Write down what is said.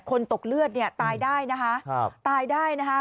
คนตกเลือดตายได้นะคะ